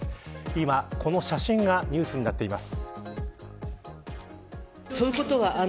今、この写真がニュースになっています。